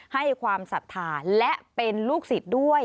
ให้ความศรัทธาและเป็นลูกศิษย์ด้วย